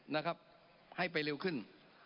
นะครับให้ไปเร็วขึ้น